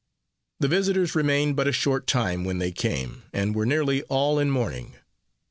The visiters remained but a short time when they came, and were nearly all in mourning.